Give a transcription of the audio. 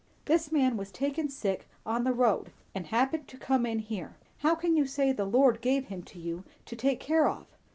"This man was taken sick on the road, and happened to come in here. How can you say, the Lord gave him to you to take care of?"